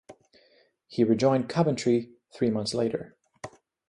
He rejoined Coventry three months later.